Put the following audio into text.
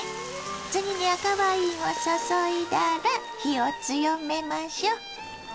次に赤ワインを注いだら火を強めましょう。